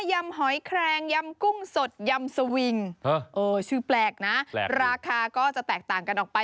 ยำหอยแครงยำกุ้งสดยำสวิงชื่อแปลกนะราคาก็จะแตกต่างกันออกไป